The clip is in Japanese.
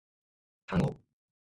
タンゴ